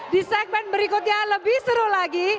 di segmen berikutnya lebih seru lagi